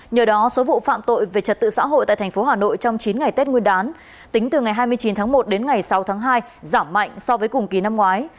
nhờ đó số vụ phạm tội về trật tự xã hội tại thành phố hà nội trong chín ngày tết nguyên đán tính từ ngày hai mươi chín tháng một đến ngày sáu tháng hai giảm mạnh so với cùng kỳ năm ngoái